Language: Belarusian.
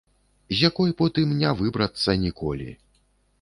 І з якой потым не выбрацца ніколі.